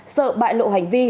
sợ bại lộ hành vi